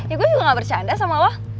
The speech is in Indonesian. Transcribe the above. ya gue juga gak bercanda sama lo